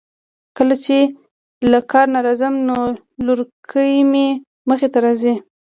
کله چې له کار نه راځم نو لورکۍ مې مخې ته راځی.